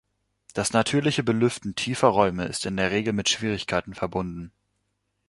Das natürliche Belüften tiefer Räume ist in der Regel mit Schwierigkeiten verbunden.